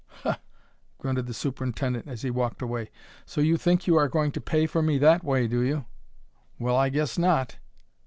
"Huh!" grunted the superintendent as he walked away. "So you think you are going to pay for me that way, do you? Well, I guess not!"